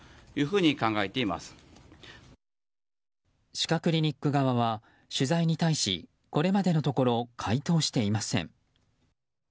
歯科クリニック側は取材に対しこれまでのところ回答していません。